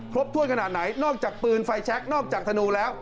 ถ้วนขนาดไหนนอกจากปืนไฟแช็คนอกจากธนูแล้ว